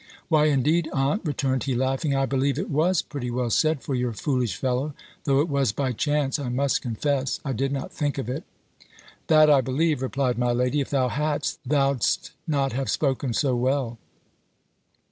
"Why, indeed, aunt," returned he, laughing, "I believe it was pretty well said for your foolish fellow: though it was by chance, I must confess; I did not think of it." "That I believe," replied my lady; "if thou hadst, thou'dst not have spoken so well."